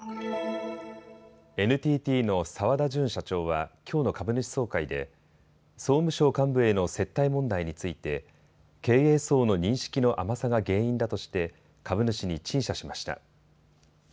ＮＴＴの澤田純社長はきょうの株主総会で総務省幹部への接待問題について経営層の認識の甘さが原因だとして株主に陳謝しました。